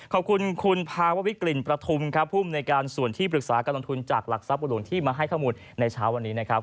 ขอบคุณคุณภาววิกลิ่นประทุมครับภูมิในการส่วนที่ปรึกษาการลงทุนจากหลักทรัพย์บุหลวงที่มาให้ข้อมูลในเช้าวันนี้นะครับ